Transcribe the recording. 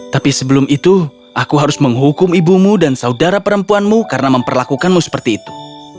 tapi sebelum itu aku harus menghukum ibumu dan saudara perempuanmu karena memperlakukanmu seperti itu